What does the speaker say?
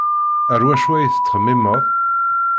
Ar wacu ay tettxemmimeḍ?